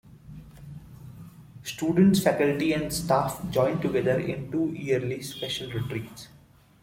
Students, faculty, and staff join together in two yearly special retreats.